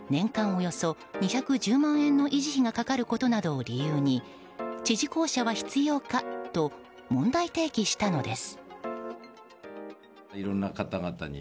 およそ２１０万円の維持費がかかることなどを理由に知事公舎は必要か？と問題提起したのです。